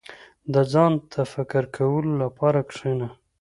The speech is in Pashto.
• د ځان ته فکر کولو لپاره کښېنه.